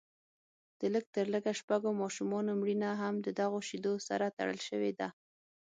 د لږ تر لږه شپږو ماشومانو مړینه هم ددغو شیدو سره تړل شوې ده